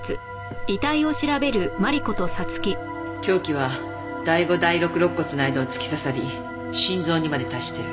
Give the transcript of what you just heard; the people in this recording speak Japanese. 凶器は第五第六肋骨の間を突き刺さり心臓にまで達してる。